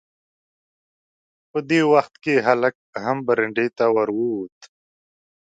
په دې وخت کې هلک هم برنډې ته ور ووت.